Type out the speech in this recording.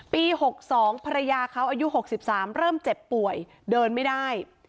ปี๖๒ภรรยาเขาอายุ๖๓เริ่มเจ็บป่วยเดินไม่ได้